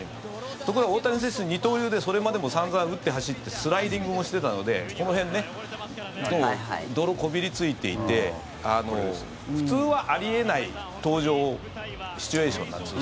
ところが大谷選手、二刀流でそれまでも散々打って走ってスライディングもしてたのでこの辺ね、泥こびりついていて普通はあり得ない登場シチュエーションなんです。